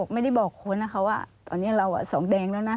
ไม่ได้บอกคนนะคะว่าตอนนี้เราสองแดงแล้วนะ